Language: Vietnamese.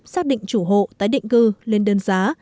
xác định chủ hộ tái định cư lên đơn giá